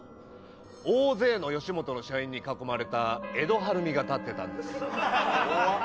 大勢の吉本の社員に囲まれたエド・はるみが立ってたんです。